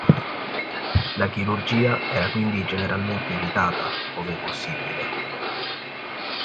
La chirurgia era quindi generalmente evitata ove possibile.